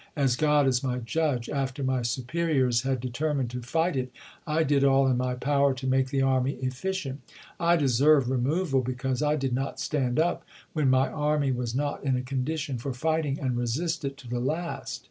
As God is my judge, after my superiors had determined to fight it, I did all in my power to make the army efficient. I deserve removal because I did not stand up, when my army was not in a condition for fighting, and resist it to the last."